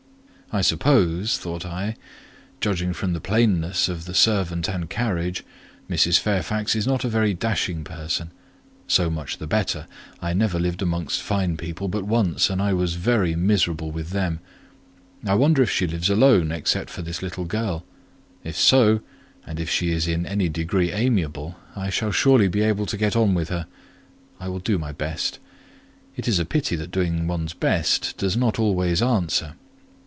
"I suppose," thought I, "judging from the plainness of the servant and carriage, Mrs. Fairfax is not a very dashing person: so much the better; I never lived amongst fine people but once, and I was very miserable with them. I wonder if she lives alone except this little girl; if so, and if she is in any degree amiable, I shall surely be able to get on with her; I will do my best; it is a pity that doing one's best does not always answer.